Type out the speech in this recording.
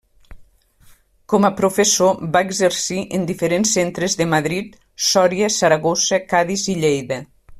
Com a professor va exercir en diferents centres de Madrid, Sòria, Saragossa, Cadis i Lleida.